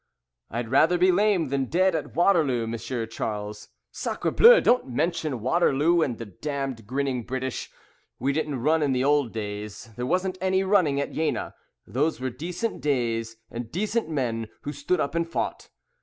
"I'd rather be lame than dead at Waterloo, M'sieu Charles." "Sacre Bleu! Don't mention Waterloo, and the damned grinning British. We didn't run in the old days. There wasn't any running at Jena. Those were decent days, And decent men, who stood up and fought.